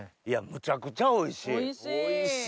いやむちゃくちゃおいしい。